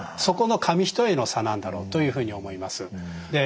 そこの紙一重の差なんだろうというふうに思います。